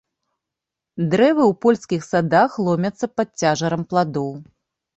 Дрэвы ў польскіх садах ломяцца пад цяжарам пладоў.